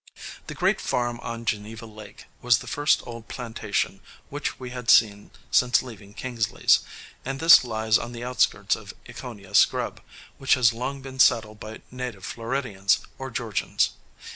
The great farm on Geneva Lake was the first old plantation which we had seen since leaving Kingsley's, and this lies on the outskirts of Ekoniah Scrub, which has long been settled by native Floridians or Georgians.